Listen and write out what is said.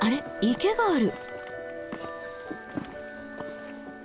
池がある。